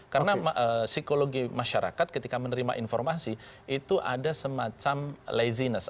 karena psikologi masyarakat ketika menerima informasi itu ada semacam laziness